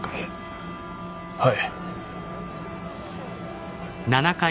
はい。